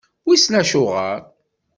Wissen acuɣeṛ.